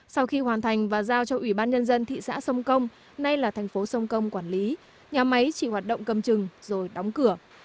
sau khi hoàn thành và giao cho ủy ban nhân dân thị xã sông công nay là thành phố sông công quản lý nhà máy chỉ hoạt động cầm trừng rồi đóng cửa